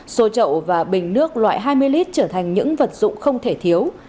xô trậu và bình nước loại hai mươi lít trở thành những vật dụng không thể thiếu